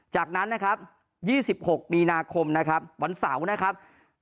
จากนั้นนะครับ๒๖มีนาคมนะครับวันเสาร์นะครับ